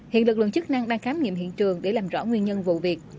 hiện lực lượng chức năng đang khám nghiệm hiện trường để làm rõ nguyên nhân vụ việc